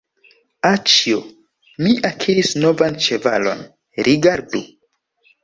Aĉjo, mi akiris novan ĉevalon, rigardu!